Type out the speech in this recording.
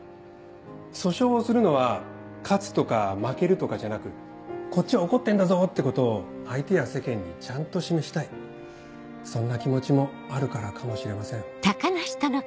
訴訟をするのは勝つとか負けるとかじゃなく「こっちは怒ってんだぞ！」ってことを相手や世間にちゃんと示したいそんな気持ちもあるからかもしれません。